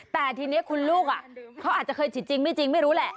แต่ทีนี้คุณลูกเขาอาจจะเคยฉีดจริงไม่จริงไม่รู้แหละ